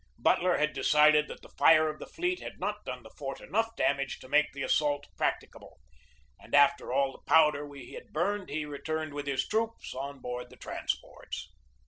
Butler had decided that the fire of the fleet had not done the fort enough damage to make the assault prac ticable; and after all the powder we had burned he returned with his troops on board his transports.